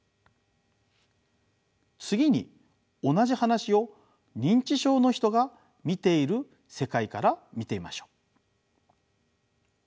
次に同じ話を認知症の人が見ている世界から見てみましょう。